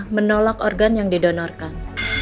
menolak organ yang didonorkan